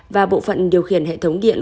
và bộ phận điều khiển hệ thống điện